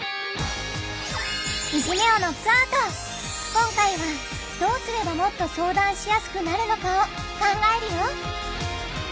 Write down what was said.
今回はどうすればもっと相談しやすくなるのかを考えるよ！